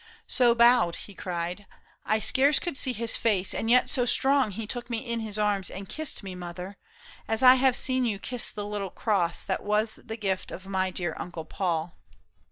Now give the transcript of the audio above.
"So bowed," he cried, " I scarce could see his face, and yet so strong He took me in his arms and kissed me, mother. As I have seen you kiss the little cross That was the gift of my dear uncle Paul."